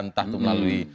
entah itu melalui